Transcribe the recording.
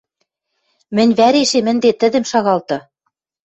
Мӹнь вӓрешем ӹнде тӹдӹм шагалты.